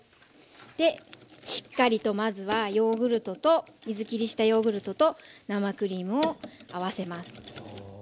しっかりとまずはヨーグルトと水きりしたヨーグルトと生クリームを合わせます。